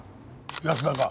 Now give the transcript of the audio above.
安田か？